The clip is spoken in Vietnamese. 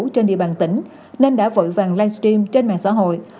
trên địa bàn tỉnh nên đã vội vàng live stream trên mạng xã hội